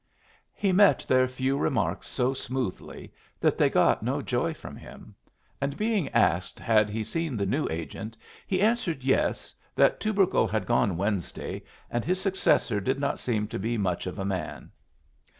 He met their few remarks so smoothly that they got no joy from him; and being asked had he seen the new agent, he answered yes, that Tubercle had gone Wednesday, and his successor did not seem to be much of a man.